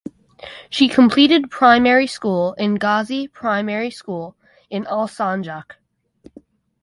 She completed primary school in Gazi Primary School in Alsancak.